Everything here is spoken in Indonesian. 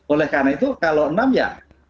oleh karena itu kalau enam ya